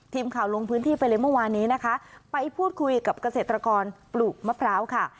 ทีมข่าวลงพื้นที่ไปเลยเมื่อวานนี้นะคะไปพูดคุยกับเกษตรกรปลูกมะพร้าวค่ะ